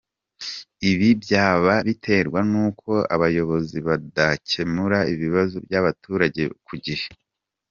Ibi byaba biterwa n’uko abayobozi badakemura ibibazo by’abaturage ku gihe?.